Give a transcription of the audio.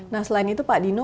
nah selain itu pak dino